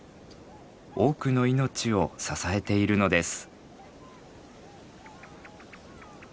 多くの命を支えているのです。